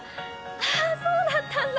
あぁそうだったんだ。